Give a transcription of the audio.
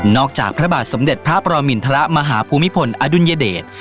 จากพระบาทสมเด็จพระปรมินทรมาหาภูมิพลอดุลยเดช